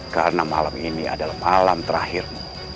karena malam ini adalah malam terakhirmu